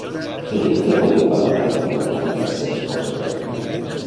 Què diu que ha pogut valorar don Eudald i la seva esposa d'en Ramon?